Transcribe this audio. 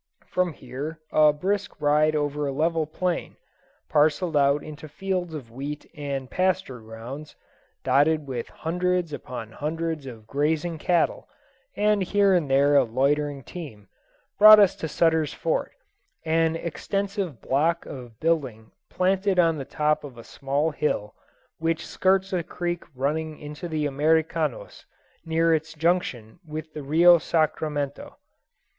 From here a brisk ride over a level plain parcelled out into fields of wheat and pasture grounds, dotted with hundreds upon hundreds of grazing cattle, and here and there a loitering team brought us to Sutter's Fort, an extensive block of building planted on the top of a small hill which skirts a creek running into the Americanos, near its junction with the Rio Sacramento.